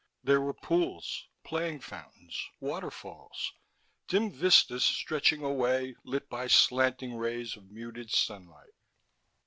There were pools, playing fountains, waterfalls, dim vistas stretching away, lit by slanting rays of muted sunlight.